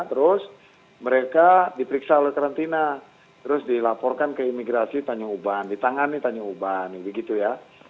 terus mereka diperiksa oleh karantina terus dilaporkan ke imigrasi tanjung uban ditangani tanjung uban begitu ya